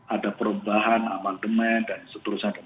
ada perubahan amandemen dan seterusnya